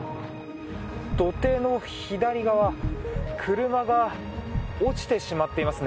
土手の左側車が落ちてしまっていますね。